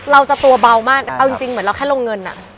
เราจะตัวเบามากเอาจริงจริงเหมือนเราถึงเรากำลังร่งเงินอะ